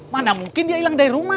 mana mungkin dia hilang dari rumah